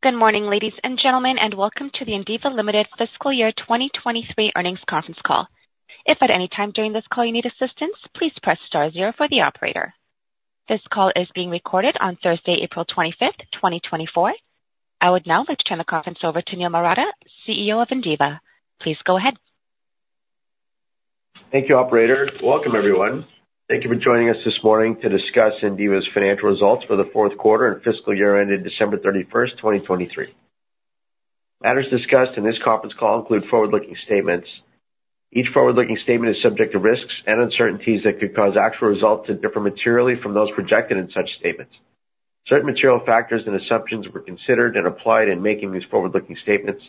Good morning, ladies and gentlemen, and welcome to the Indiva Ltd Fiscal Year 2023 Earnings Conference Call. If at any time during this call you need assistance, please press star zero for the operator. This call is being recorded on Thursday, April 25th, 2024. I would now like to turn the conference over to Niel Marotta, CEO of Indiva. Please go ahead. Thank you, operator. Welcome, everyone. Thank you for joining us this morning to discuss Indiva's financial results for the fourth quarter and fiscal year ended December 31st, 2023. Matters discussed in this conference call include forward-looking statements. Each forward-looking statement is subject to risks and uncertainties that could cause actual results to differ materially from those projected in such statements. Certain material factors and assumptions were considered and applied in making these forward-looking statements.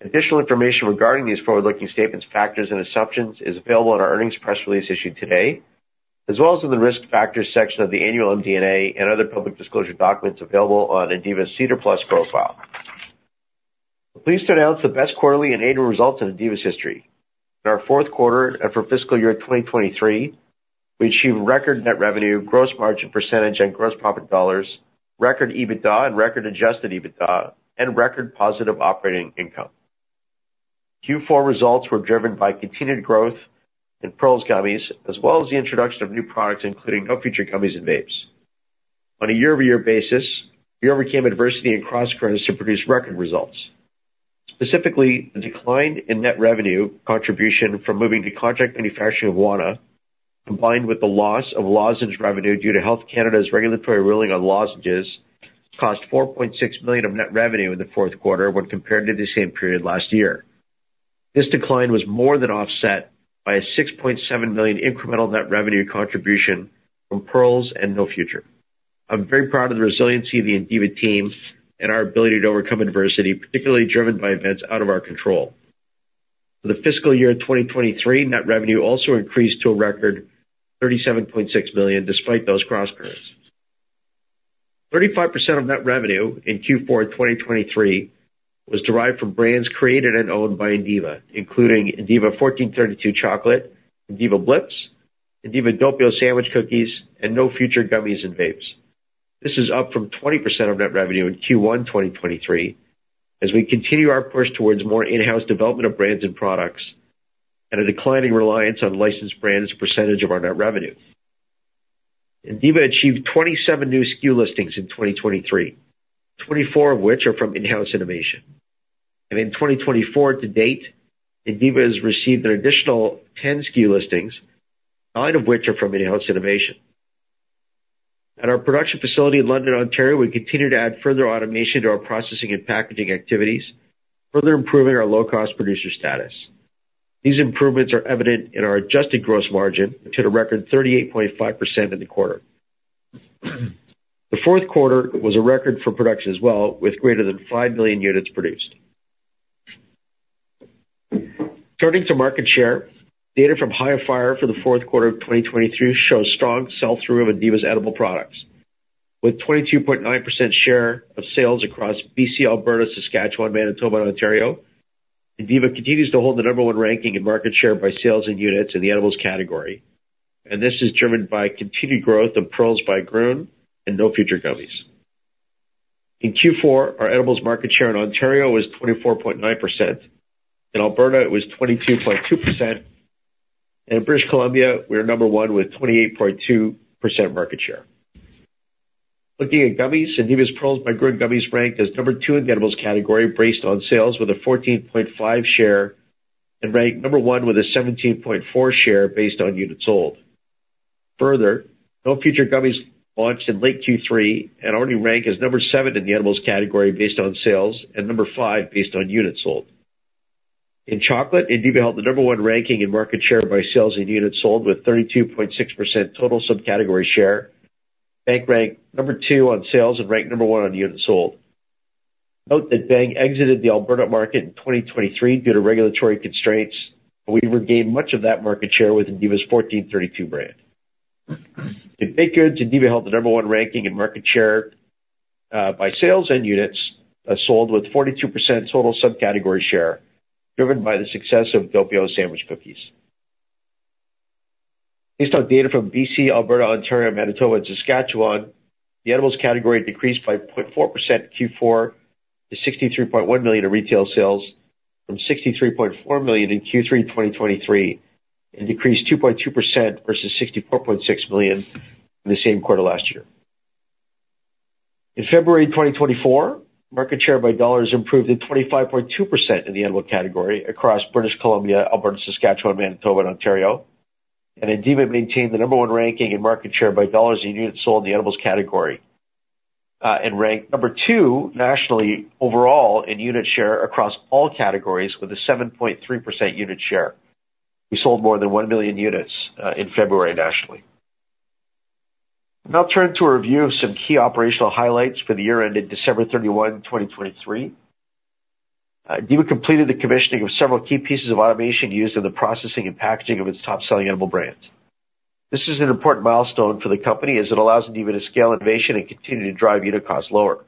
Additional information regarding these forward-looking statements, factors, and assumptions is available in our earnings press release issued today, as well as in the risk factors section of the annual MD&A and other public disclosure documents available on Indiva's SEDAR+ profile. Pleased to announce the best quarterly and annual results in Indiva's history. In our fourth quarter and for fiscal year 2023, we achieved record net revenue, gross margin percentage, and gross profit in dollars, record EBITDA and record adjusted EBITDA, and record positive operating income. Q4 results were driven by continued growth in Pearls gummies, as well as the introduction of new products including No Future gummies and vapes. On a year-over-year basis, we overcame adversity in cross-currency to produce record results. Specifically, the decline in net revenue contribution from moving to contract manufacturing of Wana, combined with the loss of lozenge revenue due to Health Canada's regulatory ruling on lozenges, cost 4.6 million of net revenue in the fourth quarter when compared to the same period last year. This decline was more than offset by a 6.7 million incremental net revenue contribution from Pearls and No Future. I'm very proud of the resiliency of the Indiva team and our ability to overcome adversity, particularly driven by events out of our control. For the fiscal year 2023, net revenue also increased to a record 37.6 million despite those cross-currents. 35% of net revenue in Q4 2023 was derived from brands created and owned by Indiva, including Indiva 1432 Chocolate, Indiva Blips, Indiva Doppio Sandwich Cookies, and No Future gummies and vapes. This is up from 20% of net revenue in Q1 2023 as we continue our push towards more in-house development of brands and products and a declining reliance on licensed brands as a percentage of our net revenue. Indiva achieved 27 new SKU listings in 2023, 24 of which are from in-house innovation. In 2024 to date, Indiva has received an additional 10 SKU listings, nine of which are from in-house innovation. At our production facility in London, Ontario, we continue to add further automation to our processing and packaging activities, further improving our low-cost producer status. These improvements are evident in our adjusted gross margin to a record 38.5% in the quarter. The fourth quarter was a record for production as well, with greater than 5 million units produced. Turning to market share, data from Hifyre for the fourth quarter of 2023 shows strong sales through Indiva's edible products. With 22.9% share of sales across BC, Alberta, Saskatchewan, Manitoba, and Ontario, Indiva continues to hold the number one ranking in market share by sales and units in the edibles category, and this is driven by continued growth of Pearls by Grön and No Future gummies. In Q4, our edibles market share in Ontario was 24.9%, in Alberta it was 22.2%, and in British Columbia, we were number one with 28.2% market share. Looking at gummies, Indiva's Pearls by Grön gummies ranked as number two in the edibles category based on sales with a 14.5% share and ranked number one with a 17.4% share based on units sold. Further, No Future gummies launched in late Q3 and already ranked as number seven in the edibles category based on sales and number five based on units sold. In chocolate, Indiva held the number one ranking in market share by sales and units sold with 32.6% total subcategory share. Bhang ranked number two on sales and ranked number one on units sold. Note that Bhang exited the Alberta market in 2023 due to regulatory constraints, but we regained much of that market share with Indiva's 1432 brand. In baked goods, Indiva held the number one ranking in market share by sales and units sold with 42% total subcategory share, driven by the success of Doppio Sandwich Cookies. Based on data from B.C., Alberta, Ontario, Manitoba, and Saskatchewan, the edibles category decreased by 0.4% Q4 to 63.1 million in retail sales from 63.4 million in Q3 2023 and decreased 2.2% versus 64.6 million in the same quarter last year. In February 2024, market share by dollars improved at 25.2% in the edibles category across British Columbia, Alberta, Saskatchewan, Manitoba, and Ontario, and Indiva maintained the number one ranking in market share by dollars and units sold in the edibles category and ranked number two nationally overall in unit share across all categories with a 7.3% unit share. We sold more than 1 million units in February nationally. Now turn to a review of some key operational highlights for the year ended December 31, 2023. Indiva completed the commissioning of several key pieces of automation used in the processing and packaging of its top-selling edible brand. This is an important milestone for the company as it allows Indiva to scale innovation and continue to drive unit costs lower.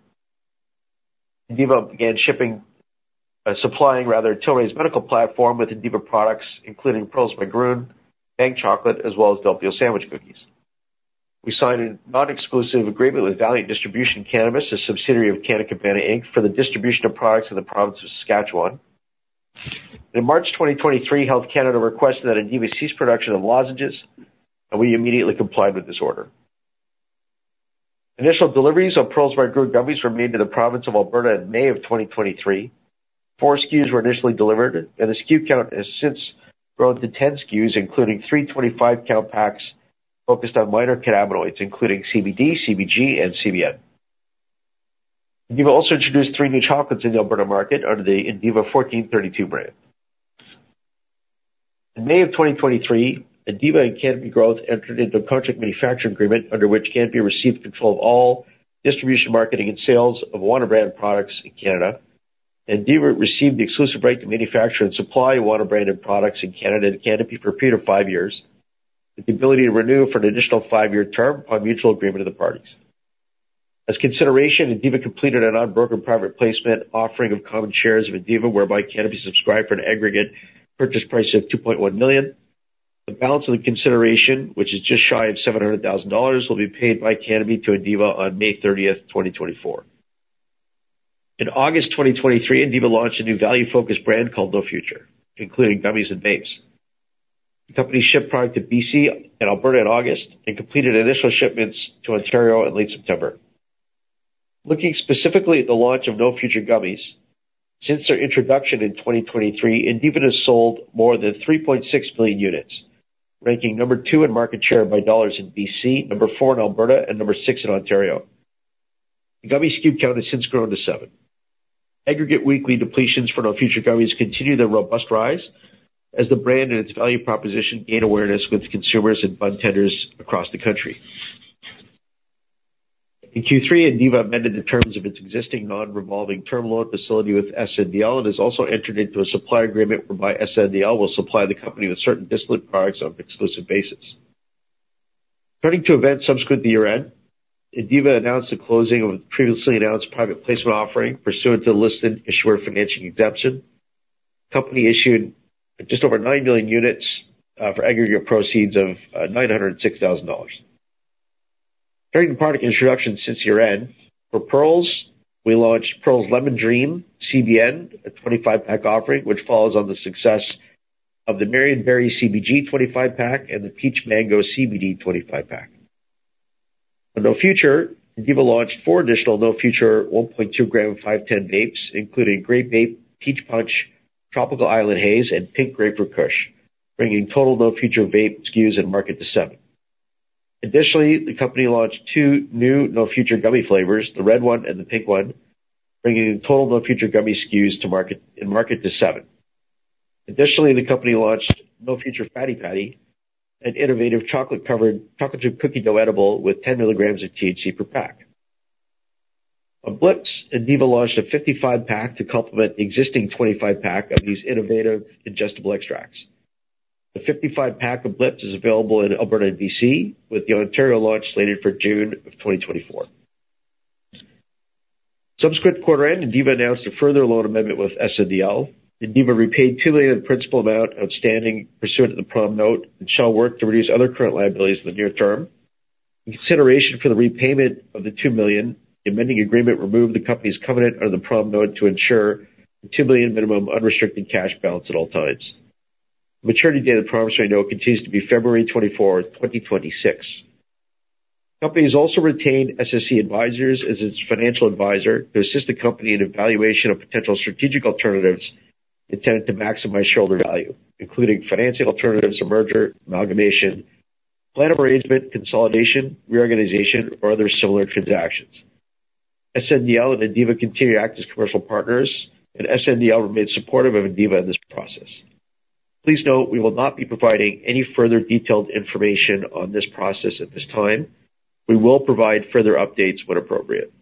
Indiva began shipping and supplying to the Hifyre medical platform with Indiva products, including Pearls by Grön, Bhang Chocolate, as well as Doppio Sandwich Cookies. We signed a non-exclusive agreement with Valley Distribution, a subsidiary of Canna Cabana Inc. for the distribution of products in the province of Saskatchewan. In March 2023, Health Canada requested that Indiva cease production of lozenges, and we immediately complied with this order. Initial deliveries of Pearls by Grön gummies were made to the province of Alberta in May of 2023. Four SKUs were initially delivered, and the SKU count has since grown to 10 SKUs, including three 25-count packs focused on minor cannabinoids, including CBD, CBG, and CBN. Indiva also introduced three new chocolates in the Alberta market under the Indiva 1432 brand. In May of 2023, Indiva and Canopy Growth entered into a contract manufacturing agreement under which Canopy received control of all distribution, marketing, and sales of Wana brand products in Canada. Indiva received the exclusive right to manufacture and supply Wana branded products in Canada and Canopy for a period of five years, with the ability to renew for an additional five-year term on mutual agreement of the parties. As consideration, Indiva completed a non-brokered private placement offering of common shares of Indiva, whereby Canopy subscribed for an aggregate purchase price of 2.1 million. The balance of the consideration, which is just shy of 700,000 dollars, will be paid by Canopy to Indiva on May 30th, 2024. In August 2023, Indiva launched a new value-focused brand called No Future, including gummies and vapes. The company shipped product to B.C. and Alberta in August and completed initial shipments to Ontario in late September. Looking specifically at the launch of No Future gummies, since their introduction in 2023, Indiva has sold more than 3.6 million units, ranking number two in market share by dollars in B.C., number four in Alberta, and number six in Ontario. The gummy SKU count has since grown to seven. Aggregate weekly depletions for No Future gummies continue their robust rise as the brand and its value proposition gain awareness with consumers and budtenders across the country. In Q3, Indiva amended the terms of its existing non-revolving term loan facility with SNDL and has also entered into a supply agreement whereby SNDL will supply the company with certain distillate products on an exclusive basis. Turning to events subsequent to year-end, Indiva announced the closing of a previously announced private placement offering pursuant to the listed issuer financing exemption. The company issued just over 9 million units for aggregate proceeds of 906,000 dollars. During the product introduction since year-end, for Pearls, we launched Pearls Lemon Dream CBN, a 25-pack offering, which follows on the success of the Marionberry CBG 25-pack and the Peach Mango CBD 25-pack. On No Future, Indiva launched four additional No Future 1.2 g 510 vapes, including Grape Vape, Peach Punch, Tropical Island Haze, and Pink Grapefruit Kush, bringing total No Future vape SKUs in market to seven. Additionally, the company launched two new No Future gummy flavors, The Red One and The Pink One, bringing total No Future gummy SKUs in market to seven. Additionally, the company launched No Future Fatty Patty, an innovative chocolate-covered chocolate chip cookie dough edible with 10 mg of THC per pack. On Blips, Indiva launched a 55-pack to complement the existing 25-pack of these innovative ingestible extracts. The 55-pack of Blips is available in Alberta and B.C., with the Ontario launch slated for June of 2024. Subsequent quarter-end, Indiva announced a further loan amendment with SNDL. Indiva repaid CAD 2 million in principal amount outstanding pursuant to the prom note and shall work to reduce other current liabilities in the near term. In consideration for the repayment of the 2 million, the amending agreement removed the company's covenant under the promissory note to ensure a 2 million minimum unrestricted cash balance at all times. The maturity date of the promissory note, I know, continues to be February 24, 2026. The company has also retained SSC Advisors as its financial advisor to assist the company in evaluation of potential strategic alternatives intended to maximize shareholder value, including financing alternatives to merger, amalgamation, plan of arrangement, consolidation, reorganization, or other similar transactions. SNDL and Indiva continue to act as commercial partners, and SNDL remains supportive of Indiva in this process. Please note, we will not be providing any further detailed information on this process at this time. We will provide further updates when appropriate.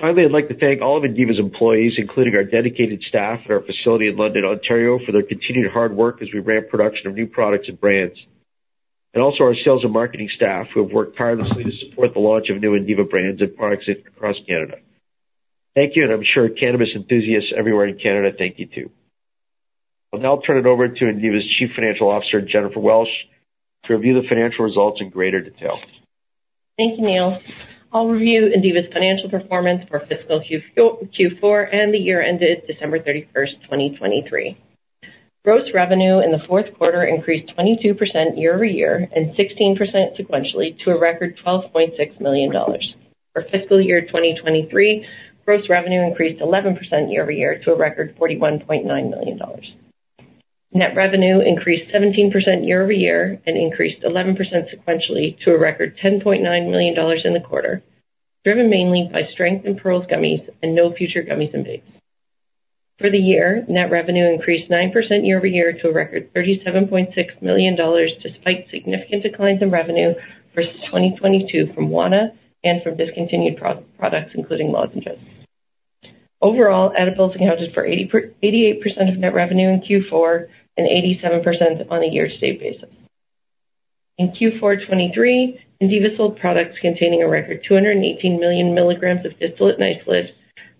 Finally, I'd like to thank all of Indiva's employees, including our dedicated staff at our facility in London, Ontario, for their continued hard work as we ramp production of new products and brands, and also our sales and marketing staff who have worked tirelessly to support the launch of new Indiva brands and products across Canada. Thank you, and I'm sure cannabis enthusiasts everywhere in Canada, thank you too. I'll now turn it over to Indiva's Chief Financial Officer, Jennifer Welsh, to review the financial results in greater detail. Thank you, Niel. I'll review Indiva's financial performance for fiscal Q4 and the year ended December 31st, 2023. Gross revenue in the fourth quarter increased 22% year-over-year and 16% sequentially to a record 12.6 million dollars. For fiscal year 2023, gross revenue increased 11% year-over-year to a record 41.9 million dollars. Net revenue increased 17% year-over-year and increased 11% sequentially to a record 10.9 million dollars in the quarter, driven mainly by strength in Pearls gummies and No Future gummies and vapes. For the year, net revenue increased 9% year-over-year to a record 37.6 million dollars despite significant declines in revenue for 2022 from Wana and from discontinued products, including lozenges. Overall, edibles accounted for 88% of net revenue in Q4 and 87% on a year-to-date basis. In Q4 2023, Indiva sold products containing a record 218 million mg of distillate and isolate,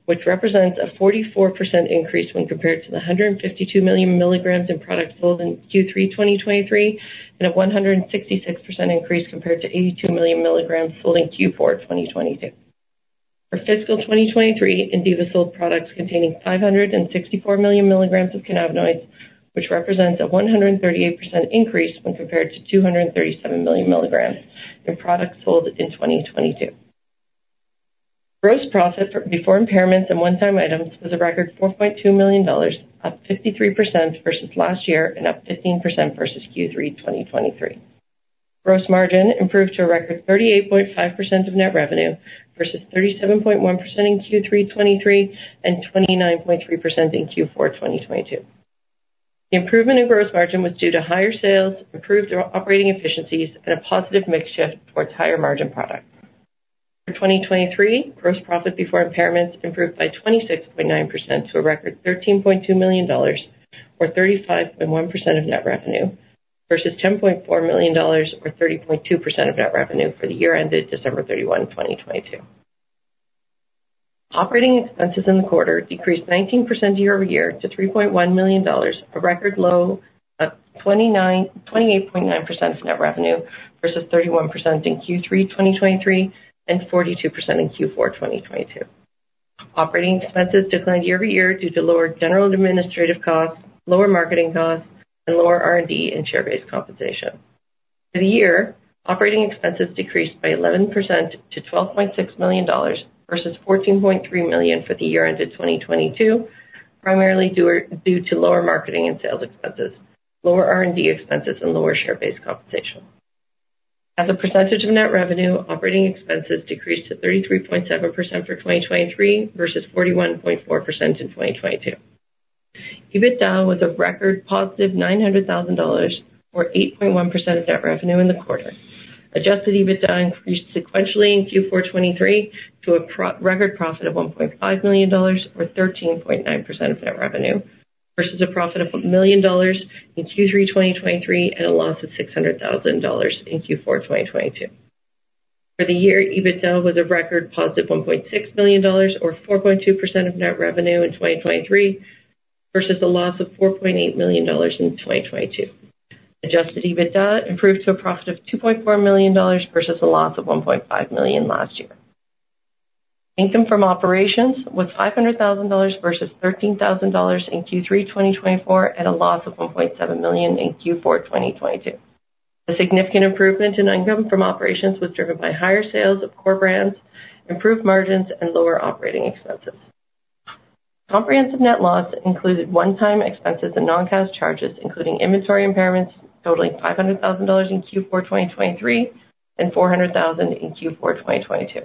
which represents a 44% increase when compared to the 152 million mg in products sold in Q3 2023 and a 166% increase compared to 82 million mg sold in Q4 2022. For fiscal 2023, Indiva sold products containing 564 million mg of cannabinoids, which represents a 138% increase when compared to 237 million mg in products sold in 2022. Gross profit before impairments and one-time items was a record 4.2 million dollars, up 53% versus last year and up 15% versus Q3 2023. Gross margin improved to a record 38.5% of net revenue versus 37.1% in Q3 2023 and 29.3% in Q4 2022. The improvement in gross margin was due to higher sales, improved operating efficiencies, and a positive mix shift towards higher margin products. For 2023, gross profit before impairments improved by 26.9% to a record 13.2 million dollars or 35.1% of net revenue versus 10.4 million dollars or 30.2% of net revenue for the year ended December 31, 2022. Operating expenses in the quarter decreased 19% year-over-year to 3.1 million dollars, a record low of 28.9% of net revenue versus 31% in Q3 2023 and 42% in Q4 2022. Operating expenses declined year-over-year due to lower general administrative costs, lower marketing costs, and lower R&D and share-based compensation. For the year, operating expenses decreased by 11% to 12.6 million dollars versus 14.3 million for the year ended 2022, primarily due to lower marketing and sales expenses, lower R&D expenses, and lower share-based compensation. As a percentage of net revenue, operating expenses decreased to 33.7% for 2023 versus 41.4% in 2022. EBITDA was a record +900,000 dollars or 8.1% of net revenue in the quarter. Adjusted EBITDA increased sequentially in Q4 2023 to a record profit of 1.5 million dollars or 13.9% of net revenue versus a profit of 1 million dollars in Q3 2023 and a loss of 600,000 dollars in Q4 2022. For the year, EBITDA was a record positive 1.6 million dollars or 4.2% of net revenue in 2023 versus a loss of 4.8 million dollars in 2022. Adjusted EBITDA improved to a profit of 2.4 million dollars versus a loss of 1.5 million last year. Income from operations was 500,000 dollars versus 13,000 dollars in Q3 2024 and a loss of 1.7 million in Q4 2022. A significant improvement in income from operations was driven by higher sales of core brands, improved margins, and lower operating expenses. Comprehensive net loss included one-time expenses and non-cash charges, including inventory impairments totaling 500,000 dollars in Q4 2023 and 400,000 in Q4 2022.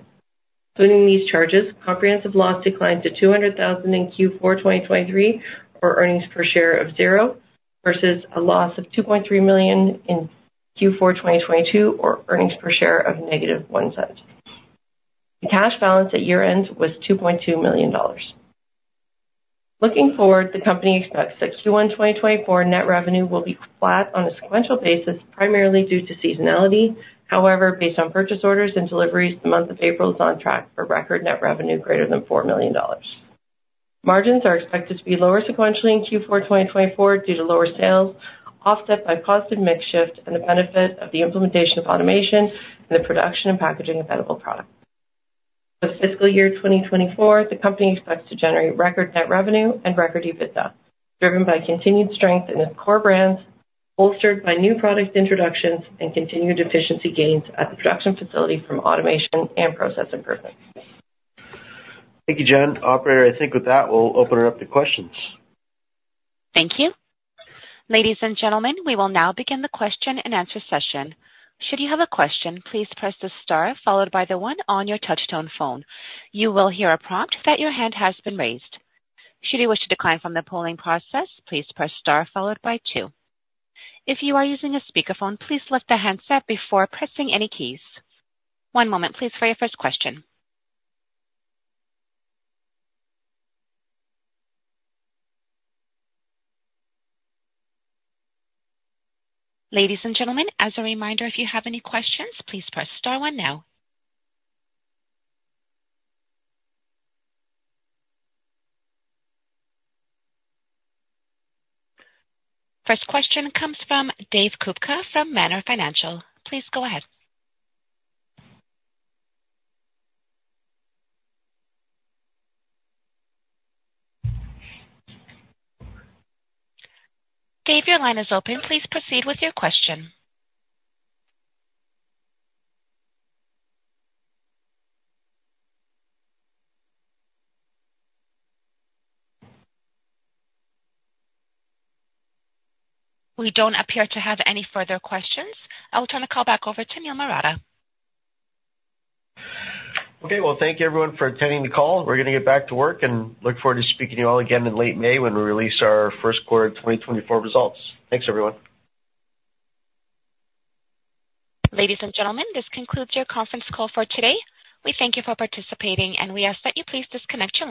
Including these charges, comprehensive loss declined to 200,000 in Q4 2023 or earnings per share of zero versus a loss of 2.3 million in Q4 2022 or earnings per share of -0.01. The cash balance at year-end was 2.2 million dollars. Looking forward, the company expects Q1 2024 net revenue will be flat on a sequential basis, primarily due to seasonality. However, based on purchase orders and deliveries, the month of April is on track for record net revenue greater than 4 million dollars. Margins are expected to be lower sequentially in Q4 2024 due to lower sales, offset by positive mix shift, and the benefit of the implementation of automation in the production and packaging of edible products. For fiscal year 2024, the company expects to generate record net revenue and record EBITDA, driven by continued strength in its core brands, bolstered by new product introductions, and continued efficiency gains at the production facility from automation and process improvements. Thank you, Jen. Operator, I think with that, we'll open it up to questions. Thank you. Ladies and gentlemen, we will now begin the question and answer session. Should you have a question, please press the star followed by the one on your touch-tone phone. You will hear a prompt that your hand has been raised. Should you wish to decline from the polling process, please press star followed by two. If you are using a speakerphone, please lift the handset before pressing any keys. One moment, please, for your first question. Ladies and gentlemen, as a reminder, if you have any questions, please press star one now. First question comes from Dave Kupka from Manor Financial. Please go ahead. Dave, your line is open. Please proceed with your question. We don't appear to have any further questions. I'll turn the call back over to Niel Marotta. Okay, well, thank you, everyone, for attending the call. We're going to get back to work and look forward to speaking to you all again in late May when we release our first quarter 2024 results. Thanks, everyone. Ladies and gentlemen, this concludes your conference call for today. We thank you for participating, and we ask that you please disconnect your.